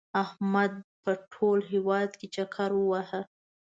احمد په ټول هېواد کې چکر ووهه.